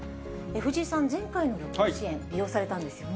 藤井さん、前回の旅行支援、利用されたんですよね。